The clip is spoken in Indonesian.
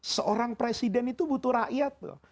seorang presiden itu butuh rakyat loh